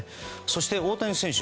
そして、大谷選手